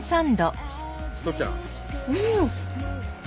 うん！